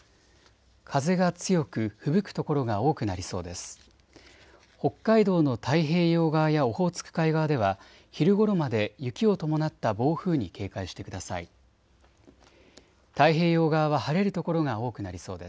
風が強くふぶく所が多くなりそうです。